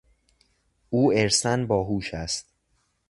او ارثا باهوش است.